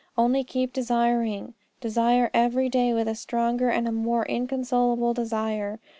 Only, keep desiring. Desire every day with a stronger and a more inconsolable desire.